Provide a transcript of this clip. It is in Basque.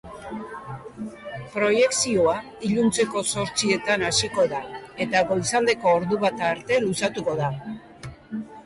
Proiekzioa iluntzeko zortzietan hasiko da eta goizaldeko ordubata arte luzatuko da.